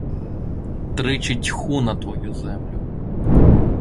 Тричі тьху на твою землю!